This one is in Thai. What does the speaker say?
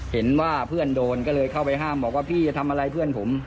เห็นว่าเพื่อนโดนก็เลยเข้าไปห้ามบอกว่าพี่จะทำอะไรเพื่อนผม